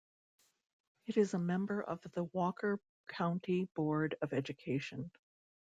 It is a member of the Walker County Board of Education.